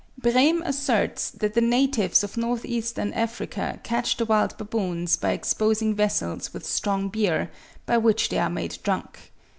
Brehm asserts that the natives of north eastern Africa catch the wild baboons by exposing vessels with strong beer, by which they are made drunk.